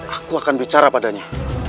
aku akan bicara padanya